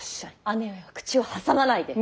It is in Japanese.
姉上は口を挟まないで。